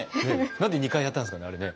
なんで２回やったんですかね